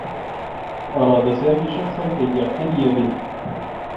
أراد سامي شخصا كي يعتني به.